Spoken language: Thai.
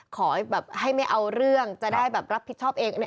ขอแบบให้ไม่เอาเรื่องจะได้แบบรับผิดชอบเอง